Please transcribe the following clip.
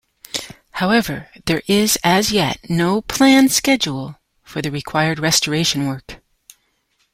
However, there is as yet no planned schedule for the required restoration work.